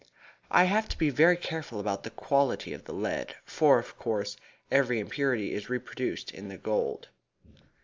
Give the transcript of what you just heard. I have to be very careful about the quality of the lead, for, of course, every impurity is reproduced in the gold."